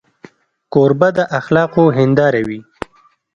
کوربه د اخلاقو هنداره وي.